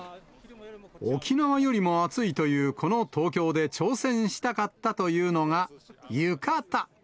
沖縄よりも暑いというこの東京で挑戦したかったというのが浴衣。